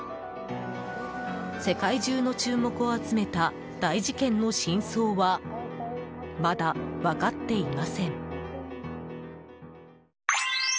世界中の注目を集めた大事件の真相はまだ分かっていません。